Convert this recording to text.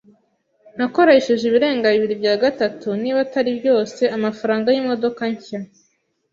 Nakoresheje ibirenga bibiri bya gatatu, niba atari byose, amafaranga yimodoka nshya.